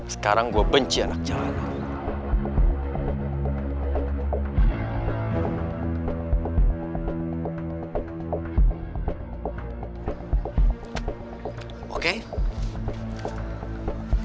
sekarang gue benci anak jalanan